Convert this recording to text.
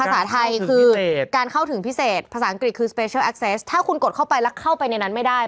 ถ้าคุณกดเข้าไปแล้วเข้าไปในนั้นไม่ได้